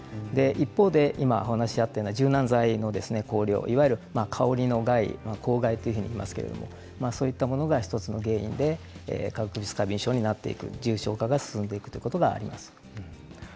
一方で今お話があった柔軟剤の香料いわゆる香りの害香害といいますがそういったものが１つの原因で化学物質過敏症になって重症化が進むことがあります。